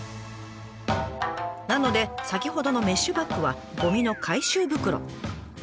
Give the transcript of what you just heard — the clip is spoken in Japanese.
なので先ほどのメッシュバッグはゴミの回収袋。